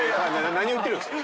何を言ってるんですか。